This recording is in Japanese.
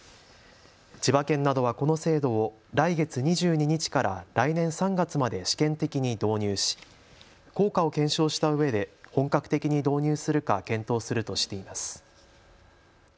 千葉県などはこの制度を来月２２日から来年３月まで試験的に導入し効果を検証したうえで本格的に導入するか検討するとしています。